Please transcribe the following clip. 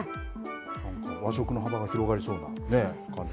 なんか和食の幅が広がりそうな感じで。